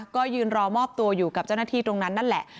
ก็ยืนรอมอบตัวอยู่กับเจ้าหน้าที่ตรงนั้นนั่นแหละ